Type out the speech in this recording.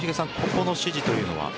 ここの指示というのは？